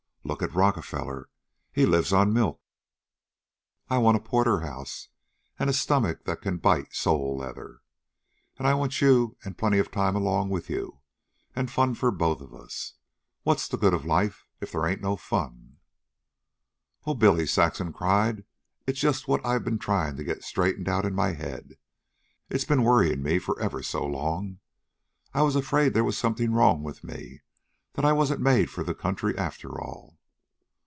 Look at Rockefeller. Has to live on milk. I want porterhouse and a stomach that can bite sole leather. An' I want you, an' plenty of time along with you, an' fun for both of us. What's the good of life if they ain't no fun?" "Oh, Billy!" Saxon cried. "It's just what I've been trying to get straightened out in my head. It's been worrying me for ever so long. I was afraid there was something wrong with me that I wasn't made for the country after all.